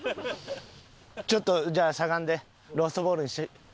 ちょっとじゃあしゃがんでロストボールに。